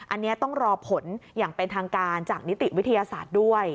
อันนี้ต้องรอผลอย่างเป็นทางการจากนิติวิทยาศาสตร์ด้วย